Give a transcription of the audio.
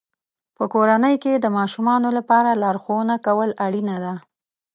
په کورنۍ کې د ماشومانو لپاره لارښوونه کول اړینه ده.